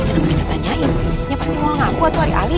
mali kenapa kita tanyain dia pasti mau ngangkut wali ali